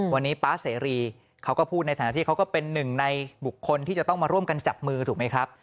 วันนี้ป๊าเสรีเขาก็พูดในฐานะที่เขาก็เป็นหนึ่งในบุคคลที่จะต้องมาร่วมกันจับมือถูกไหมครับ